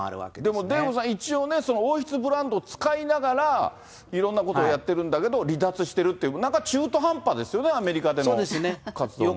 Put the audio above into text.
でもデーブさん、一応ね、王室ブランド使いながら、いろんなことをやってるんだけど、離脱してるって、なんか中途半端ですよね、アメリカでの活動も。